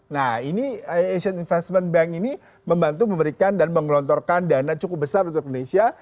nah ini asian investment bank ini membantu memberikan dan menggelontorkan dana cukup besar untuk indonesia